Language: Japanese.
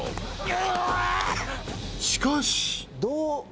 ［しかし］